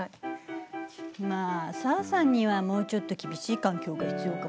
まあ紗和さんにはもうちょっと厳しい環境が必要かもね。